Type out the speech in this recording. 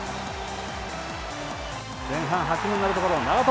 前半８分になるところ、長友。